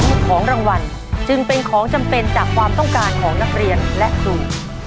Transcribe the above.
ของรางวัลจึงเป็นของจำเป็นจากความต้องการของนักเรียนและครู